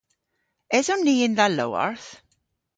Eson ni yn dha lowarth?